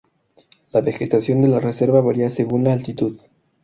La vegetación de la reserva varía según la altitud.